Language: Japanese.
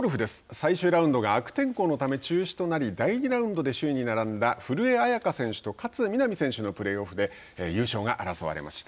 最終ラウンドが悪天候のため中止となり第２ラウンドで首位に並んだ古江彩佳選手と勝みなみ選手のプレーオフで優勝が争われました。